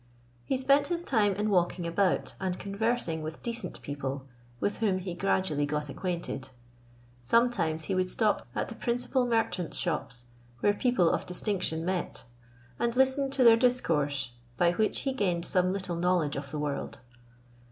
He spent his time in walking about, and conversing with decent people, with whom he gradually got acquainted. Sometimes he would stop at the principal merchants' shops, where people of distinction met, and listen to their discourse, by which he gained some little knowledge of the world.